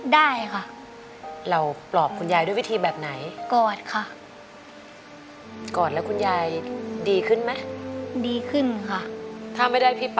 ถ้าไม่ได้พี่ป่าก็แย่เหมือนกันนะ